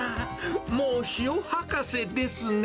もう塩博士ですね。